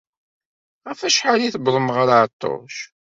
Ɣef wacḥal ay tewwḍem ɣer Ɛeṭṭuc?